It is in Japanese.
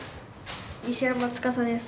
西山司紗です。